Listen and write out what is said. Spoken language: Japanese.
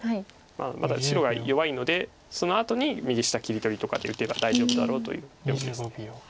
まだ白が弱いのでそのあとに右下切り取りとかで打てば大丈夫だろうという読みです。